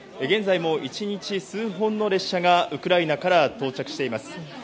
現在も１日数本の列車がウクライナから到着しています。